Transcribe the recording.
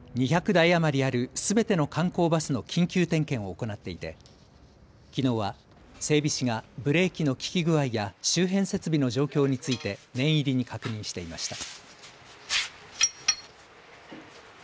２００台余りあるすべての観光バスの緊急点検を行っていてきのうは整備士がブレーキの利き具合や周辺設備の状況について念入りに確認していました。